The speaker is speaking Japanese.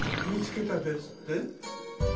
みつけたですって？